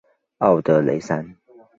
奥德雷桑。